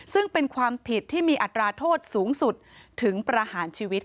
ซึ่งเป็นความผิดที่มีอัตราโทษสูงสุดถึงประหารชีวิต